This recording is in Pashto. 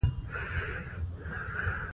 باران د افغان کلتور سره تړاو لري.